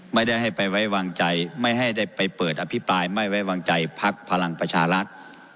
ไม่ได้ให้ไปไว้วางใจไม่ให้ได้ไปเปิดอภิปรายไม่ไว้วางใจพักพลังประชารัฐ